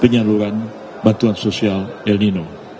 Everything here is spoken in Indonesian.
penyaluran bantuan sosial ilnino